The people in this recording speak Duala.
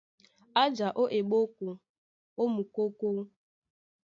A ja ó eɓóko ó mukókó.